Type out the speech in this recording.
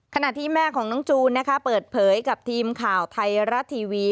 ขณะที่แม่ของน้องจูนนะคะเปิดเผยกับทีมข่าวไทยรัฐทีวี